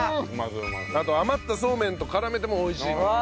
あと余ったそうめんと絡めても美味しいと。